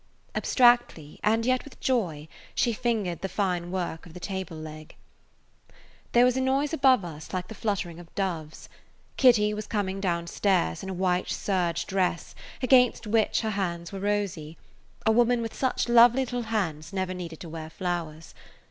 Abstractedly and yet with joy she fingered the fine work of the table leg. There was a noise above us like the fluttering of doves. Kitty was coming downstairs in a white serge dress against which her hands were rosy; a woman with such lovely little hands never needed to wear flowers.